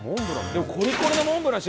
でもコリコリのモンブラン。